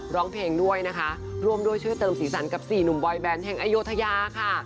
ร้องเพลงด้วยนะคะร่วมด้วยช่วยเติมสีสันกับสี่หนุ่มบอยแบนแห่งอโยธยาค่ะ